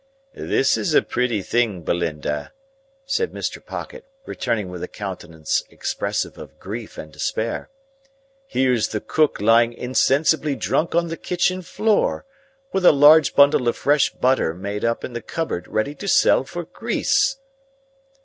"This is a pretty thing, Belinda!" said Mr. Pocket, returning with a countenance expressive of grief and despair. "Here's the cook lying insensibly drunk on the kitchen floor, with a large bundle of fresh butter made up in the cupboard ready to sell for grease!"